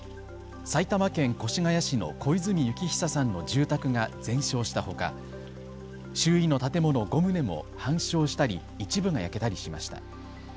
埼玉県越谷市の小泉征久さんの住宅が全焼したほか周囲の建物５棟も半焼したり一部が焼けたりしました。